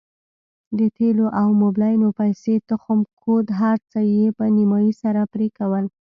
د تېلو او موبلينو پيسې تخم کود هرڅه يې په نيمايي سره پرې کول.